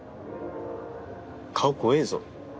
顔怖えぇぞ。